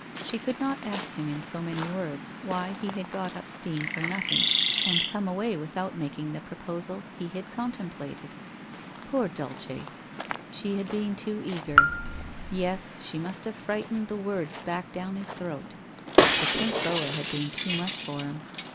She could not ask him in so many words why he had got up steam for nothing and come away without making the proposal he had contemplated. Poor Dulce ! She had been too eager. Yes, she must have frightened the words back down his throat. The pink boa had been too much for him.